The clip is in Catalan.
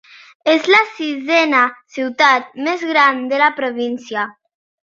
És la sisena ciutat més gran de la província.